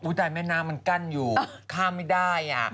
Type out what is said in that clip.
อุ๊ยแต่แม่น้ำจะกั้นอยู่ข้ามไม่ได้อะ